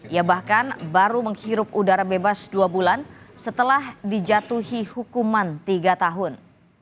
ia bahkan baru menghirup udara bebas dua bulan setelah dijatuhi hukuman tiga tahun